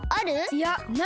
いやない！